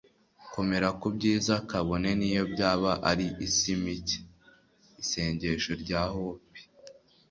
komera ku byiza, kabone niyo byaba ari isi mike. - isengesho rya hopi